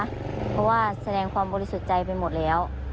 เพราะว่าแสดงความบริสุทธิ์ใจไปหมดแล้ว